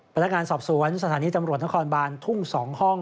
พนักงานสอบสวนสถานีตำรวจนครบานทุ่ง๒ห้อง